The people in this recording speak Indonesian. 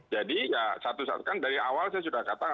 jadi ya satu satu kan dari awal saya sudah katakan